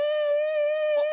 あっ。